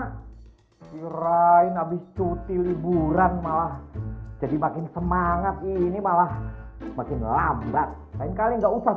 hairain habis cuti liburan malah jadi makin semangat ini malah makin lambat lain kali nggak usah